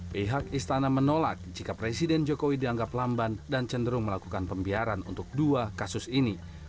pihak istana menolak jika presiden jokowi dianggap lamban dan cenderung melakukan pembiaran untuk dua kasus ini